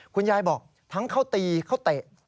คุณยายบอกทั้งเขาตีเขาเตะ